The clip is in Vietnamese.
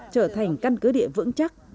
trở thành căn cứ địa vững chắc